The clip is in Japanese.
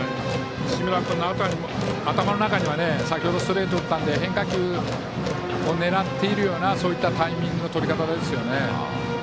石村君の頭の中には先ほどストレート打ったので変化球を狙っているようなタイミングのとり方ですよね。